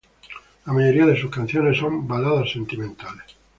La mayoría de sus canciones son baladas sentimentales.